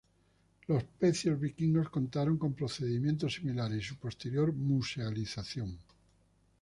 Los pecios vikingos contaron con procedimientos similares y su posterior musealización.